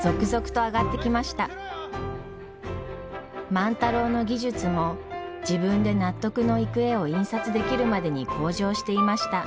万太郎の技術も自分で納得のいく絵を印刷できるまでに向上していました。